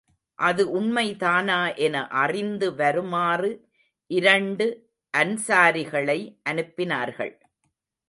அது உண்மைதானா என அறிந்து வருமாறு இரண்டு அன்ஸாரிகளை அனுப்பினார்கள்.